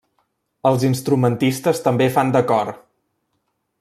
Els instrumentistes també fan de cor.